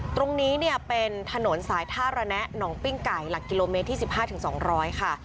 ตรงนี้เนี่ยเป็นถนนสายท่าระแนะหนองปิ้งไก่หลักกิโลเมตรที่๑๕๒๐๐ค่ะ